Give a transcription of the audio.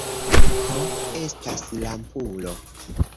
Ho, estas lampulo.